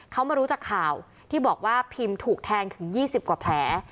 เขามารู้จากข่าวที่บอกว่าพิมถูกแทงถึง๒๐กว่าแผล